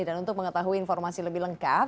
dan untuk mengetahui informasi lebih lengkap